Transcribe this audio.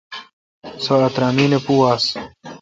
سو اترامین پو آس۔